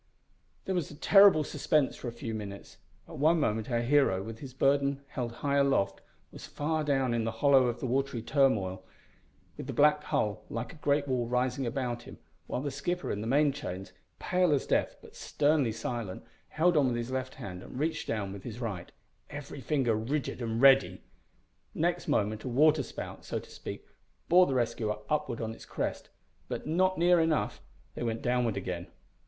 There was terrible suspense for a few minutes. At one moment our hero, with his burden held high aloft, was far down in the hollow of the watery turmoil, with the black hull like a great wall rising above him, while the skipper in the main chains, pale as death but sternly silent held on with his left hand and reached down with his right every finger rigid and ready! Next moment a water spout, so to speak, bore the rescuer upward on its crest, but not near enough they went downward again.